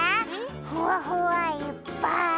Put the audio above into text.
ふわふわいっぱい！